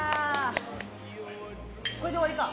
これで終わりか。